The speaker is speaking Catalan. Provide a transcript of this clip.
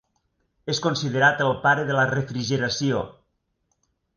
És considerat el pare de la refrigeració.